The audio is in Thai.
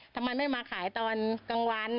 ทำไมไม่มาขายตอนกลางวัน